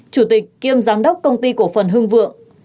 chủ tịch kiêm giám đốc công ty cổ phần hưng vượng